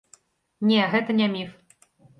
Не, гэта не міф.